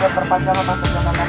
apakah bapak berangkat